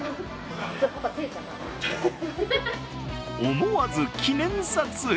思わず記念撮影。